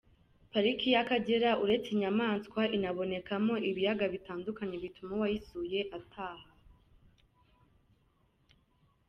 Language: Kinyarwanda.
Pariki y’Akagera uretse inyamaswa, inabonekamo. ibiyaga bitandukanye bituma uwayisuye ataha.